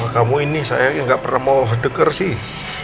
kamu ini saya gak pernah mau deker sih